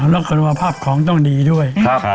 แล้วก็รู้ว่าภาพของต้องดีด้วย